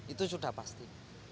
itu sudah pasti